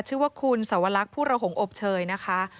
ชื่อว่าคุณสวรรคผู้ระหงอบเชยนะคะ